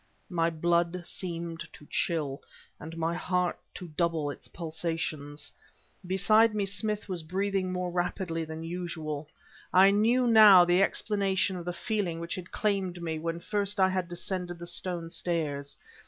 My blood seemed to chill, and my heart to double its pulsations; beside me Smith was breathing more rapidly than usual. I knew now the explanation of the feeling which had claimed me when first I had descended the stone stairs.